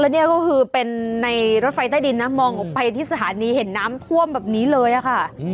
นี่ก็คือเป็นในรถไฟใต้ดินนะมองออกไปที่สถานีเห็นน้ำท่วมแบบนี้เลยอะค่ะ